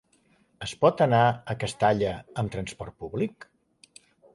Es pot anar a Castalla amb transport públic?